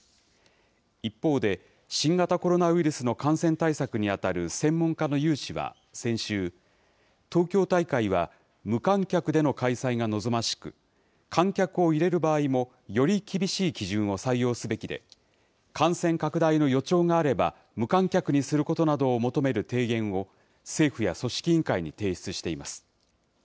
一方で、新型コロナウイルスの感染対策に当たる専門家の有志は先週、東京大会は無観客での開催が望ましく、観客を入れる場合もより厳しい基準を採用すべきで、感染拡大の予兆があれば、無観客にすることなどを求める提言を政府や組織委員会に提出しています。